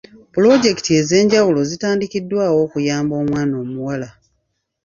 Pulojekiti ez'enjawulo zitandikiddwawo okuyamba omwana omuwala.